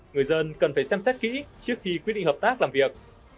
người dân cần phải xem xét kỹ trước khi quyết định hợp tác làm việc